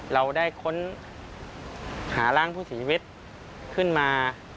เราได้ค้นหาร่างผู้ถูเชือกขึ้นมา